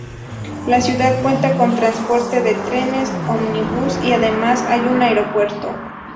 La ciudad cuenta con transporte de trenes, ómnibus y además hay un aeropuerto.